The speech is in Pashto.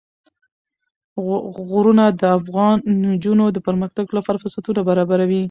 غرونه د افغان نجونو د پرمختګ لپاره فرصتونه برابروي.